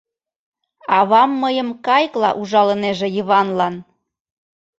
Авам мыйым кайыкла ужалынеже Йыванлан.